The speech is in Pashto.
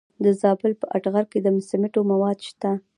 د زابل په اتغر کې د سمنټو مواد شته.